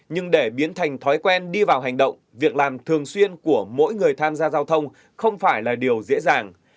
nhưng để biến thành thói quen đi vào hành động việc làm thường xuyên của mỗi người tham gia giao thông không phải là điều dễ dàng